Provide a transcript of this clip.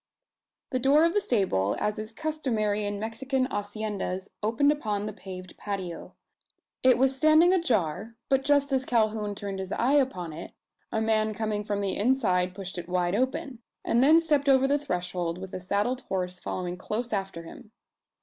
The door of the stable, as is customary in Mexican haciendas opened upon the paved patio. It was standing ajar; but just as Calhoun turned his eye upon it, a man coming from the inside pushed it wide open; and then stepped over the threshold, with a saddled horse following close after him.